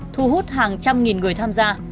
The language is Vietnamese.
thu hút hàng trăm nghìn người tham gia